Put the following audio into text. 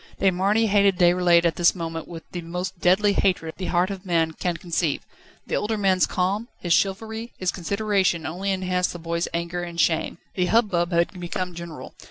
De Marny hated Déroulède at this moment with the most deadly hatred the heart of man can conceive. The older man's calm, his chivalry, his consideration only enhanced the boy's anger and shame. The hubbub had become general.